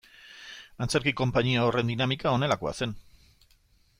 Antzerki konpainia horren dinamika honelakoa zen.